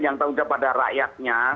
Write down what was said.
yang terutama pada rakyatnya